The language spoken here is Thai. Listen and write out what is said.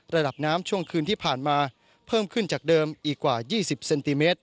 ระดับน้ำช่วงคืนที่ผ่านมาเพิ่มขึ้นจากเดิมอีกกว่า๒๐เซนติเมตร